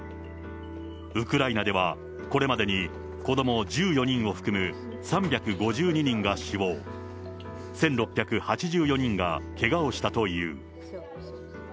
ウクライナでは、これまでに子ども１４人を含む３５２人が死亡、１６８４人がけがをしたという。